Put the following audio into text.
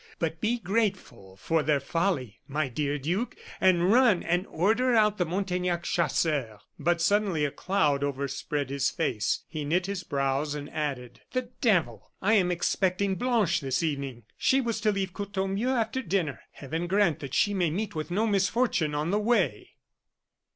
But be grateful for their folly, my dear duke, and run and order out the Montaignac chasseurs " But suddenly a cloud overspread his face; he knit his brows, and added: "The devil! I am expecting Blanche this evening. She was to leave Courtornieu after dinner. Heaven grant that she may meet with no misfortune on the way!"